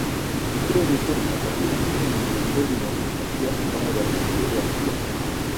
ukweli ni kwamba kabila hili ni miongoni mwa makabila ambayo yana historia kubwa sana